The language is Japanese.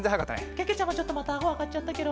けけちゃまちょっとまたあごあがっちゃったケロ。